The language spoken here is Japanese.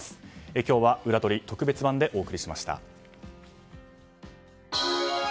今日はウラどり特別版でお送りしました。